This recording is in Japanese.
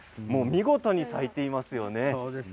見事に咲いていますよね。